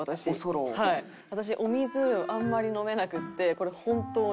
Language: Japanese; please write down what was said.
私お水あんまり飲めなくてこれ本当に。